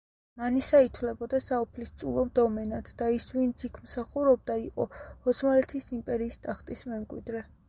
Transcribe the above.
მანისა ითვლებოდა საუფლისწულო დომენად და ის ვინც იქ მსახურობდა იყო ოსმალეთის იმპერიის ტახტის მემკვიდრე.